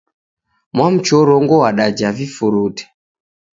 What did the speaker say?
Mwamchorongo w'adaja vifurute